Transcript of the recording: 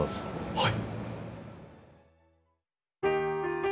はい。